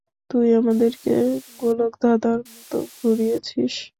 তুই আমাদেরকে গোলকধাঁধাঁর মতো ঘুরিয়েছিস।